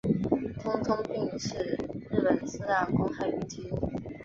痛痛病是日本四大公害病之一。